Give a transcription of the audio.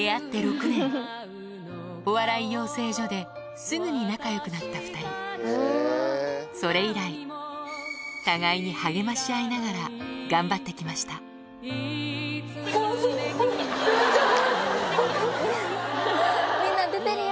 お笑い養成所ですぐに仲よくなった２人それ以来互いに励まし合いながら頑張って来ました「みんな出てるよ」